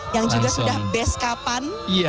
yang juga sudah beskapan